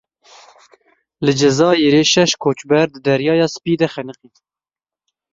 Li Cezayîrê şeş koçber di Deryaya Spî de xeniqîn.